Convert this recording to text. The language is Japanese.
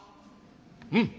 「うん。